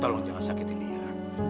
tolong jangan sakit ini ya